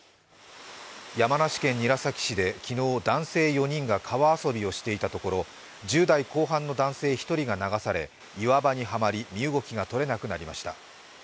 山梨県韮崎市で昨日男性４人が川遊びをしていたところ１０代後半の男性１人が流され岩場にはまり、身動きがとれなくなりました。